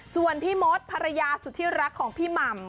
ส่วนพี่มดภรรยาสุธิรักของพี่หม่ำ